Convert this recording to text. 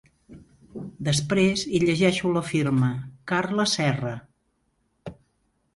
Després hi llegeixo la firma: Carla Serra.